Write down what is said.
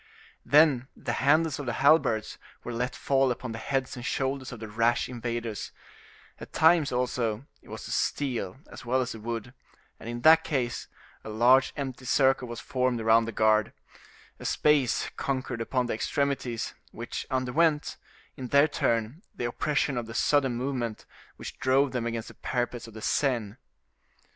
Then the handles of the halberds were let fall upon the heads and shoulders of the rash invaders; at times, also, it was the steel as well as the wood, and, in that case, a large empty circle was formed around the guard; a space conquered upon the extremities, which underwent, in their turn the oppression of the sudden movement, which drove them against the parapets of the Seine.